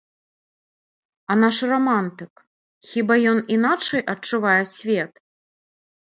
А наш рамантык, хіба ён іначай адчувае свет?